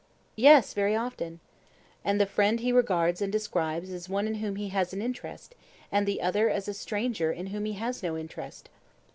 Yes, very often. And the friend he regards and describes as one in whom he has an interest, and the other as a stranger in whom he has no interest?